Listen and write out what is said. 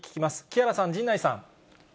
木原さん、陣内さん。